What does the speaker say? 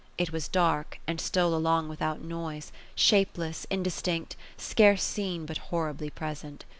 It was dark, and stole along without noise ; shapeless, indistinct, scarce seen, but horribly present.